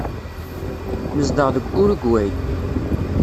Nezdeɣ deg Urugway.